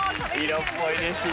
色っぽいですね。